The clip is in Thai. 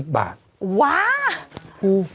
๓๐บาทว้าว